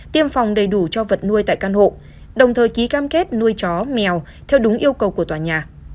tiêm phòng đầy đủ cho vật nuôi tại căn hộ đồng thời ký cam kết nuôi chó mèo theo đúng yêu cầu của tòa nhà